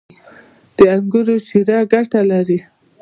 • د انګورو شیره ګټه لري.